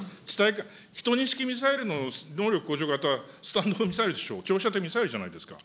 １２式ミサイルの能力向上型は、スタンド・オフ・ミサイルでしょ、長射程ミサイルじゃないですか。